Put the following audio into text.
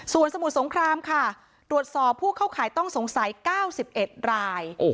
ส่วนสมุทรสงครามค่ะตรวจสอบผู้เข้าข่ายต้องสงสัย๙๑ราย